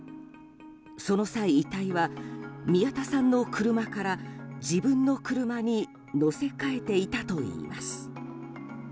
その際、遺体は宮田さんの車から自分の車に載せ換えていたといいます。